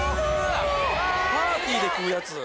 パーティーで食うやつ！